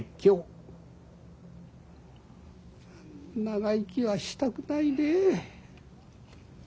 長生きはしたくないね。